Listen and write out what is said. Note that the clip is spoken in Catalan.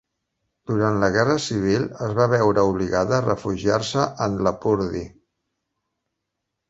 Durant la Guerra Civil es va veure obligada a refugiar-se en Lapurdi.